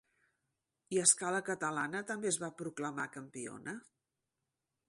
I a escala catalana, també es va proclamar campiona?